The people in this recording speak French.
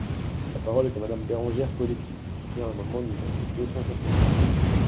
La parole est à Madame Bérengère Poletti, pour soutenir l’amendement numéro deux cent soixante-quatre.